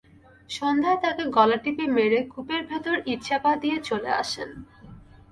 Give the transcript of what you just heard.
সন্ধ্যায় তাকে গলা টিপে মেরে কূপের ভেতর ইটচাপা দিয়ে চলে আসেন।